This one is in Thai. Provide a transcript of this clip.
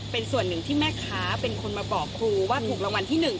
เป็นส่วนหนึ่งที่แม่ค้าเป็นคนมาบอกครูว่าถูกรางวัลที่๑